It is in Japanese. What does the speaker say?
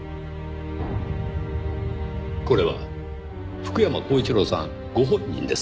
これは福山光一郎さんご本人です。